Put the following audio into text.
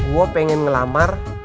gue pengen ngelamar